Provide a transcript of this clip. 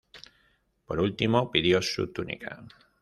Por último, pidió su túnica.